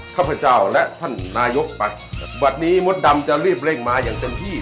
ข้าพเจ้าและท่านนายกบัตรนี้มดดำจะรีบเร่งมาอย่างเต็มที่